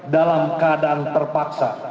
dalam keadaan terpaksa